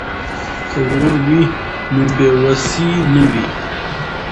که ورور وي نو بې وسی نه وي.